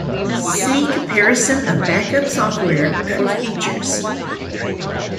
See Comparison of backup software for features.